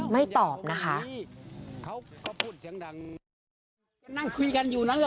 ไม่ตอบนะคะ